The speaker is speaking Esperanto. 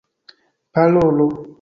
parolo